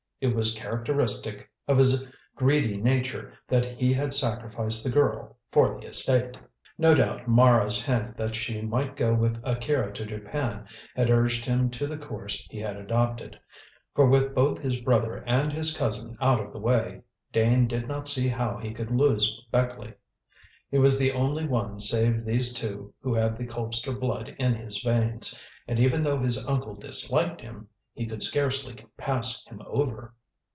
It was characteristic of his greedy nature that he had sacrificed the girl for the estate. No doubt Mara's hint that she might go with Akira to Japan had urged him to the course he had adopted, for with both his brother and his cousin out of the way, Dane did not see how he could lose Beckleigh. He was the only one save these two who had the Colpster blood in his veins, and even though his uncle disliked him, he could scarcely pass him over.